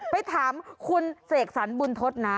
ไปถามคุณเสกสรรบุญทศนะ